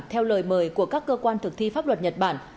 theo lời mời của các cơ quan thực thi pháp luật nhật bản